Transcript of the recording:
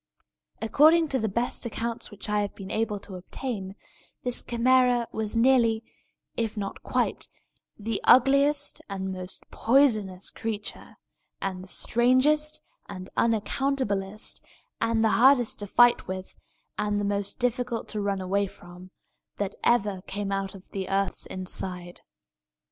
According to the best accounts which I have been able to obtain, this Chimæra was nearly, if not quite, the ugliest and most poisonous creature, and the strangest and unaccountablest, and the hardest to fight with, and the most difficult to run away from, that ever came out of the earth's inside.